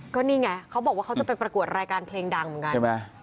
ก็นี่ไงเขาบอกว่าเขาจะไปประกวดรายการเพลงดังเหมือนกันใช่ไหม